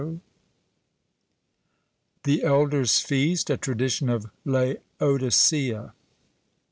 THE ELDER'S FEAST. A TRADITION OF LAODICEA.